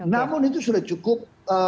namun itu sudah cukup